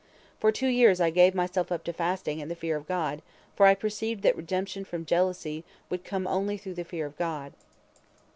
For two years I gave myself up to fasting and the fear of God, for I perceived that redemption from jealousy could come only through the fear of God.